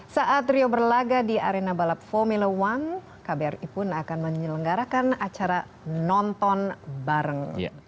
saat rio berlaga di arena balap formula one kbri pun akan menyelenggarakan acara nonton bareng